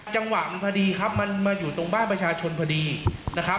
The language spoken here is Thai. จังหวะมันพอดีครับมันมาอยู่ตรงบ้านประชาชนพอดีนะครับ